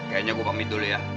kayanya gua pamit dulu ya